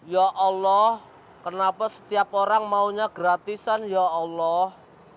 ya allah kenapa setiap orang maunya gratisan ya allah